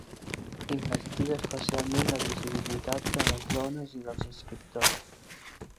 Investiga especialment la visibilitat de les dones i dels escriptors.